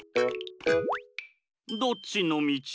どっちのみち？